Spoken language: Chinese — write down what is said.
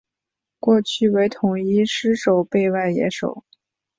过去为统一狮守备外野手。